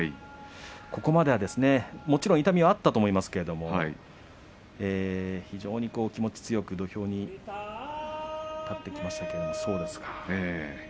ここまではもちろん痛みはあったと思いますけれど非常に気持ち強く土俵に立ってきましたけれどもそうですか。